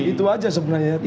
itu aja sebenarnya ya